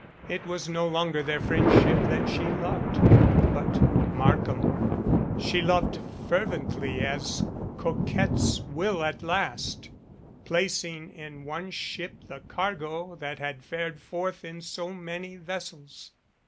It was no longer their friendship that she loved, but Markham. She loved fervently as coquettes will at last, placing in one ship the cargo that had fared 93 MADCAP forth in so many vessels.